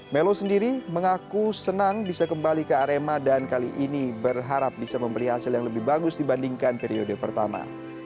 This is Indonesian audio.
melo sendiri mengaku senang bisa kembali ke arema dan kali ini berharap bisa membeli hasil yang lebih bagus dibandingkan periode pertama